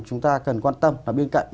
chúng ta cần quan tâm là bên cạnh